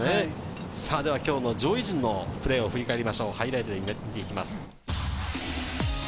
今日の上位陣のプレーを振り返りましょう、ハイライトです。